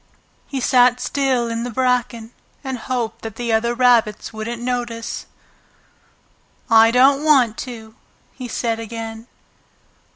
He sat still in the bracken, and hoped that the other rabbits wouldn't notice. "I don't want to!" he said again.